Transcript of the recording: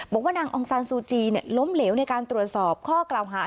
บอกว่านางองซานซูจีล้มเหลวในการตรวจสอบข้อกล่าวหา